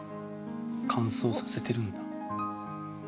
乾燥させてるんだ。